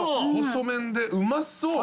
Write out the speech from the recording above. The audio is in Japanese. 細麺でうまそう。